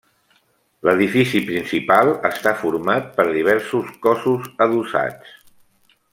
L'edifici principal està format per diversos cossos adossats.